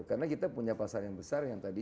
karena kita punya pasar yang besar yang tadi